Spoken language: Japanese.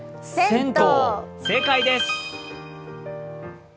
正解です。